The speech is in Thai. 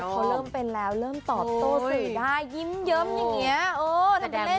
เขาเริ่มเป็นแล้วเริ่มตอบโต้สื่อได้ยิ้มเยิ้มอย่างนี้